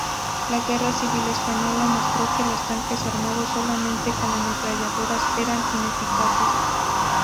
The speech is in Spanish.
La Guerra Civil Española mostró que los tanques armados solamente con ametralladoras eran ineficaces.